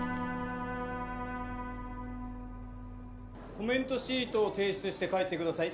コメントシートを提出して帰ってください